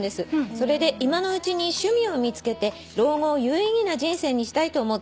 「それで今のうちに趣味を見つけて老後を有意義な人生にしたいと思っています」